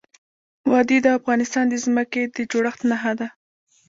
وادي د افغانستان د ځمکې د جوړښت نښه ده.